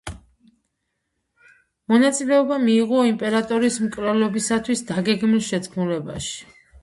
მონაწილეობა მიიღო იმპერატორის მკვლელობისათვის დაგეგმილ შეთქმულებაში.